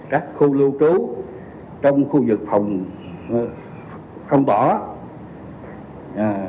các khu lưu trú trong khu vực phòng không bỏ